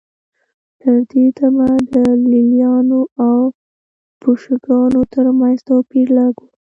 تر دې دمه د لېلیانو او بوشنګانو ترمنځ توپیر لږ و